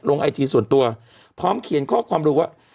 ไอจีส่วนตัวพร้อมเขียนข้อความรู้ว่า